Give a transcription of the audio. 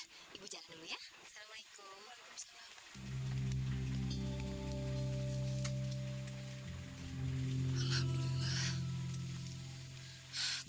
pulangnya jangan malem malem